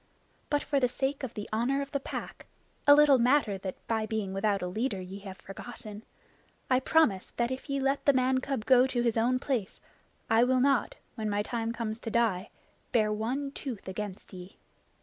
But for the sake of the Honor of the Pack, a little matter that by being without a leader ye have forgotten, I promise that if ye let the man cub go to his own place, I will not, when my time comes to die, bare one tooth against ye.